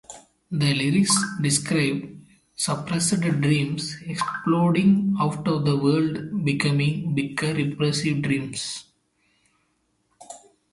The lyrics describe suppressed dreams exploding out of the world becoming bigger impressive dreams.